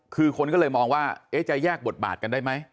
คือคนก็เลยมองว่าจะแยกบทบาทกันได้ไหม